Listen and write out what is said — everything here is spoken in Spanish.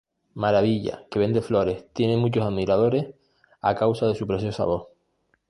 Maravilla, que vende flores, tiene muchos admiradores a causa de su preciosa voz.